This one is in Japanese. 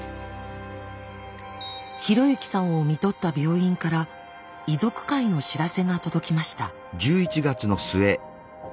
啓之さんを看取った病院から遺族会の知らせが届きました。